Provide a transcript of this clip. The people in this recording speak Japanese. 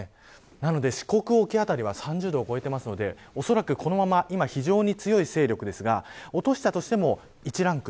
なので、四国沖辺りは３０度を超えているのでおそらくこのまま非常に強い勢力ですが落としたとしても１ランク。